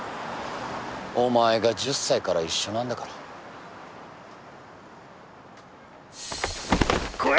お前が１０歳から一緒なんだから来い！